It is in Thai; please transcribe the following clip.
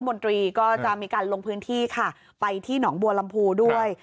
นตรีก็จะมีการลงพื้นที่ค่ะไปที่หนองบัวลำพูด้วย